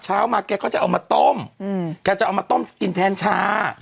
เช้ามาแกก็จะเอามาต้มแกจะเอามาต้มกินแทนชา